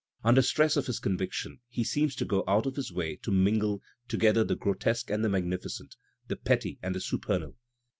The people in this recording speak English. Under stress of his conviction he seems to go out of his way to mingle ^together the grotesque and the magnificent, the petty and the supernal.